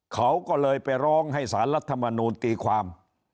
เขาก็เลยไปร้องให้สารรัฐมนูลตีความ